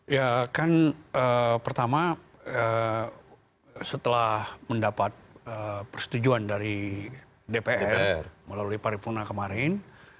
ya kan pertama setelah mendapat persetujuan dari dpr melalui paripurna kemarin